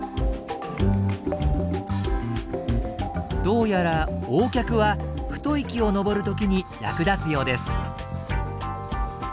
どうやらＯ脚は太い木を登る時に役立つようです。